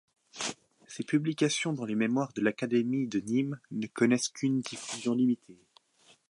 Ses publications dans les Mémoires de l’Académie de Nîmes ne connaissent qu'une diffusion limitée.